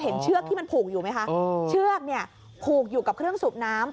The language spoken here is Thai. เชือกที่มันผูกอยู่ไหมคะเชือกเนี่ยผูกอยู่กับเครื่องสูบน้ำ